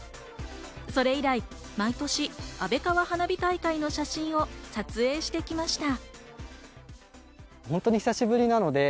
それ以来、毎年、安倍川花火大会の写真を撮影してきました。